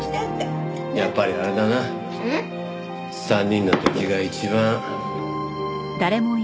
３人の時が一番。